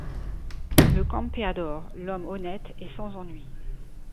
Le Campéador, l'homme honnête et sans ennui